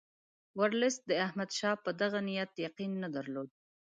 ورلسټ د احمدشاه په دغه نیت یقین نه درلود.